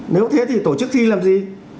nếu thế thì tổ chức thi làm gì